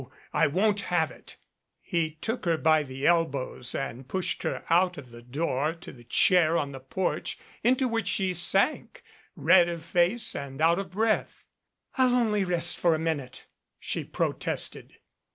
I won't have it." He took her by the elbows and pushed her out of the door to the chair on the porch into which she sank, red of face and out of breath. 48 THE RESCUE "I'll only rest for a minute," she protested.